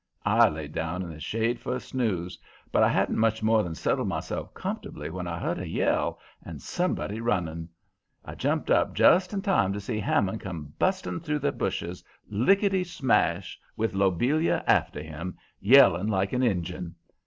I laid down in the shade for a snooze, but I hadn't much more than settled myself comfortably when I heard a yell and somebody running. I jumped up just in time to see Hammond come busting through the bushes, lickety smash, with Lobelia after him, yelling like an Injun.